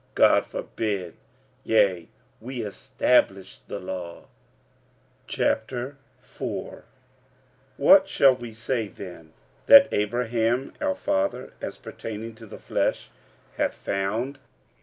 God forbid: yea, we establish the law. 45:004:001 What shall we say then that Abraham our father, as pertaining to the flesh, hath found?